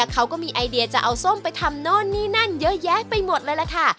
เขาก็มีไอเดียจะเอาส้มไปทำโน่นนี่นั่นเยอะแยะไปหมดเลยล่ะค่ะ